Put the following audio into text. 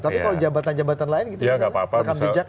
tapi kalau jabatan jabatan lain gitu misalnya